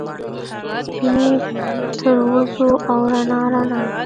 سپینې ترورځو ، او رڼا ، رڼا